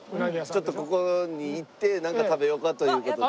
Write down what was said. ちょっとここに行ってなんか食べようかという事で。